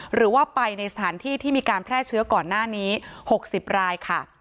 หรือว่าไปในสถานที่ที่มีการแพร่เชื้อก่อนหน้านี้๖๐รายค่ะ